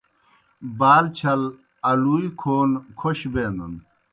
بال چھل آلُوئے کھون کھوش بینَن۔